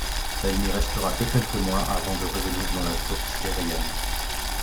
Elle n'y restera que quelques mois, avant de revenir dans la Toppserien.